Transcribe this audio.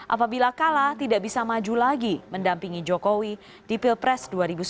apabila kalah tidak bisa maju lagi mendampingi jokowi di pilpres dua ribu sembilan belas